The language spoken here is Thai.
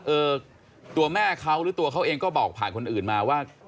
เออตัวแม่เขาหรือตัวเขาเองก็บอกผ่านคนอื่นมาว่า